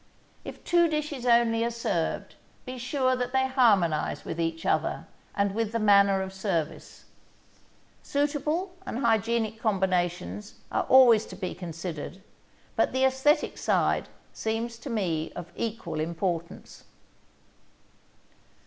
If two dishes only are served, be sure that they harmonize with each other and with the manner of service. Suitable and hygienic combinations are always to be considered, but the æsthetic side seems to me of equal importance.